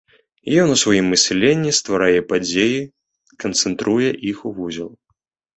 Ён у сваім мысленні стварае падзеі, канцэнтруе іх у вузел.